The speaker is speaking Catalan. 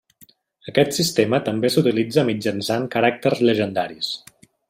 Aquest sistema també s'utilitza mitjançant caràcters llegendaris.